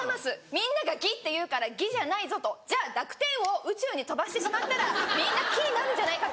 みんなが「ぎ」って言うから「ぎ」じゃないぞとじゃあ濁点を宇宙に飛ばしてしまったらみんな「き」になるんじゃないかと。